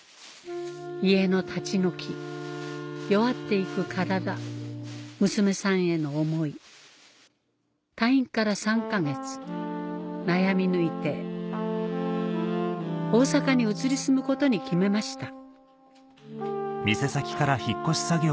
家の立ち退き弱って行く体娘さんへの思い退院から３か月悩み抜いて大阪に移り住むことに決めました